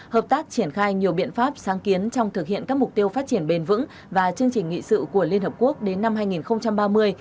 hợp tác triển khai nhiều biện pháp sáng kiến trong thực hiện các mục tiêu phát triển bền vững và chương trình nghị sự của liên hợp quốc đến năm hai nghìn ba mươi